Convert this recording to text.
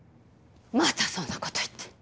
またそんな事言って。